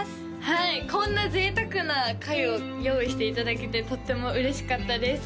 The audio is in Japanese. はいこんな贅沢な回を用意していただけてとっても嬉しかったです